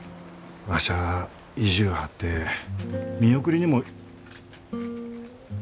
わしゃあ意地ゅう張って見送りにも。